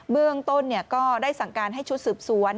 เบื้องต้นก็ได้สั่งการให้ชุดสืบสวน